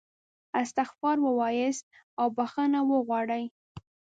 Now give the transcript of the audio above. استغفار ووایاست او بخښنه وغواړئ.